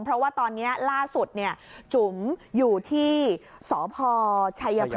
เพราะว่าตอนนี้ล่าสุดจุ๋มอยู่ที่สพชัยพฤก